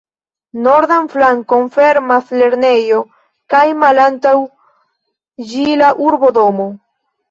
Nordan flankon fermas lernejo kaj malantaŭ ĝi la urbodomo.